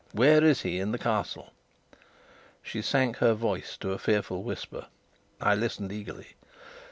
Where is he in the Castle?" She sank her voice to a fearful whisper. I listened eagerly.